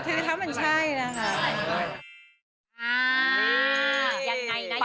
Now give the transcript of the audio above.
กดเทคเท้ามันใช่นะครับ